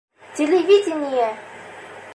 Телевидение!